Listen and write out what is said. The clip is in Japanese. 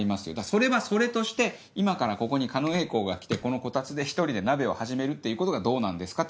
それはそれとして今からここに狩野英孝が来てこのコタツで１人で鍋を始めるっていうことがどうなんですか？